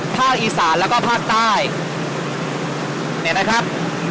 ภาคอีสานแล้วก็ภาคใต้เนี่ยนะครับ